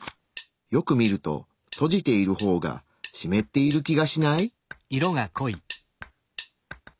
よく見ると閉じている方がしめっている気がしない？